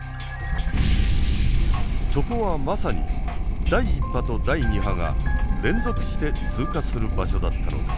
そこはまさに第１波と第２波が連続して通過する場所だったのです。